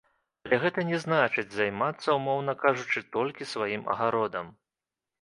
Але гэта не значыць, займацца, умоўна кажучы, толькі сваім агародам.